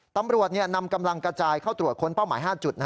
ตำรวจนำกำลังกระจายเข้าตรวจค้นเป้าหมาย๕จุด